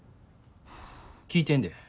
聞いてんで。